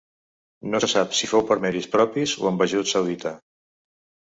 No se sap si fou per mèrits propis o amb ajut saudita.